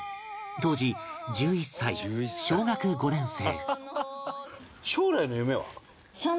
当時１１歳小学５年生